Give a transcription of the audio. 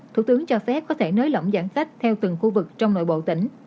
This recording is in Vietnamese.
thủ tướng cho phép có thể nới lỏng giãn cách theo từng khu vực trong nội bộ tỉnh